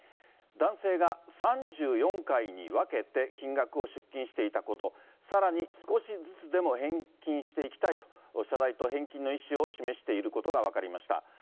男性が３４回に分けて金額を出金していたこと、さらに少しずつでも返金していきたいと、謝罪と返金の意思を示していることが分かりました。